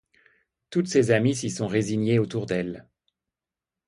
Toutes ses amies s’y sont résignées autour d’elle.